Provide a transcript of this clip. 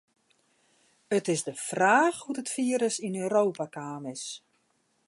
It is de fraach hoe't it firus yn Europa kaam is.